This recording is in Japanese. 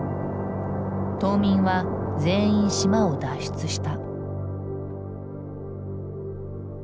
島民は全員島を脱出した。